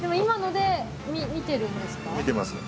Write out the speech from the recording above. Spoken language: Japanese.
見てますね。